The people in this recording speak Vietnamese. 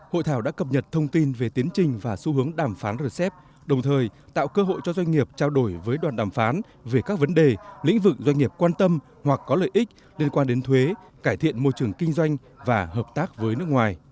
hội thảo đã cập nhật thông tin về tiến trình và xu hướng đàm phán rcep đồng thời tạo cơ hội cho doanh nghiệp trao đổi với đoàn đàm phán về các vấn đề lĩnh vực doanh nghiệp quan tâm hoặc có lợi ích liên quan đến thuế cải thiện môi trường kinh doanh và hợp tác với nước ngoài